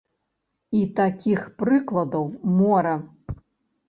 І такіх прыкладаў мора.